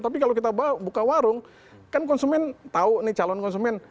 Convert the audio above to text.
tapi kalau kita buka warung kan konsumen tahu nih calon konsumen